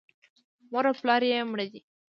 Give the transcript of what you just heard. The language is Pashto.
مور او پلار یې مړه دي .